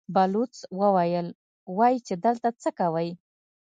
بلوڅ وويل: وايي چې دلته څه کوئ؟